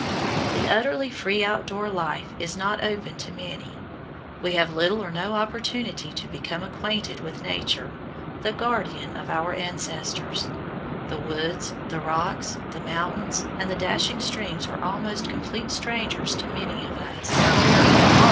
The utterly free outdoor life is not open to many. We have little or no opportunity to become acquainted with Nature, the guardian of our ancestors. The woods, the rocks, the mountains, and the dashing streams are almost complete strangers to many of us.